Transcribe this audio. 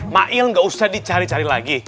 makil gak usah dicari cari lagi